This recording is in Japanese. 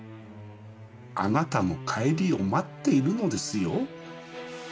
あなたの帰りを待っているのですよ。